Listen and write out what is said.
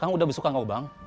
kamu udah besukan gobang